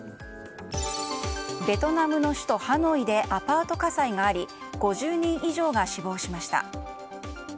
ベトナムの首都ハノイでアパート火災があり５０人以上が死亡しました。